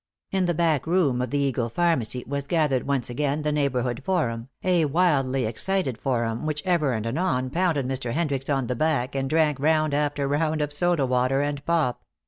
In the back room of the Eagle Pharmacy was gathered once again the neighborhood forum, a wildly excited forum, which ever and anon pounded Mr. Hendricks on the back, and drank round after round of soda water and pop.